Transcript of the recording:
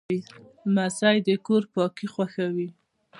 لمسی د کور پاکي خوښوي.